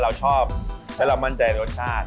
เราชอบถ้าเรามั่นใจรสชาติ